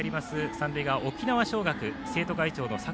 三塁側、沖縄尚学生徒会長の坂